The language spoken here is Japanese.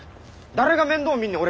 誰が面倒見んねん